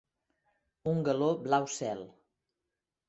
Un galó blau cel.